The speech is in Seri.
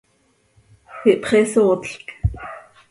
Ihpxisootlc.